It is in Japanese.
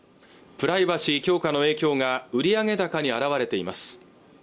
プライバシー強化の影響が売上高に現れています